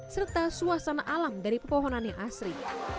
serta suasana alam dari pepohonannya asri